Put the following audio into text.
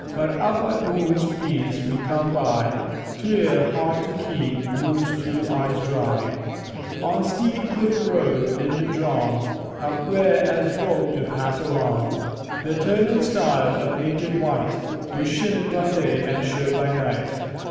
But up at woone pleäce we come by, 'Twere hard to keep woone's two eyes dry; On Steän cliff road, 'ithin the drong, Up where, as vo'k do pass along, The turnèn stile, a painted white, Do sheen by day an' show by night.